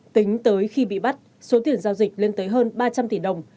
tính tới khi bị bắt số tiền giao dịch lên tới hơn ba trăm linh tỷ đồng